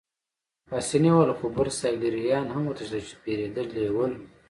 پاسیني وویل: خو برساګلیریایان هم وتښتېدل، چې بېرېدلي ول.